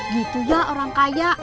gitu ya orang kaya